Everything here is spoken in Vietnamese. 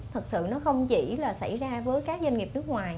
thật sự nó không chỉ là xảy ra với các doanh nghiệp nước ngoài